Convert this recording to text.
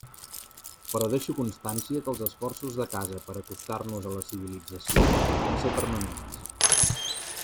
Però deixo constància que els esforços de casa per acostar-nos a la civilització van ser permanents.